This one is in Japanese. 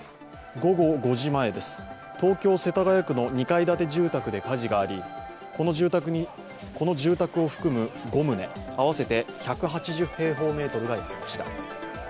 午後５時前です、東京・世田谷区の２階建て住宅で火事がありこの住宅を含む５棟、合わせて１８０平方メートルが焼けました。